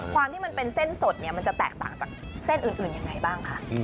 ความที่มันเป็นเส้นสดเนี่ยมันจะแตกต่างจากเส้นอื่นยังไงบ้างคะ